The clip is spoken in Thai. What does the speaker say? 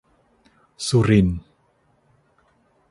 สุรินทร์